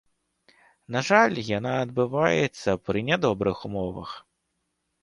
На жаль, яна адбываецца пры нядобрых умовах.